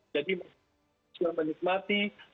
jadi kita menikmati